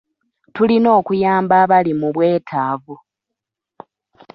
Tulina okuyamba abali mu bwetaavu.